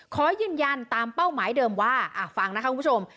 ขอยืนยันตามเป้าหมายเดิมว่าฟังนะคะคุณผู้ชม